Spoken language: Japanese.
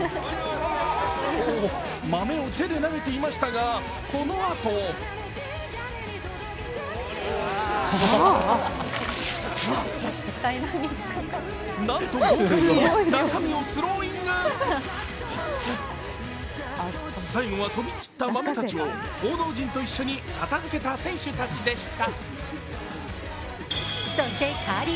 豆を手で投げていましたがこのあとなんと、豪快に中身をスローイング最後は飛び散った豆たちを報道陣と一緒に片づけた選手たちでした。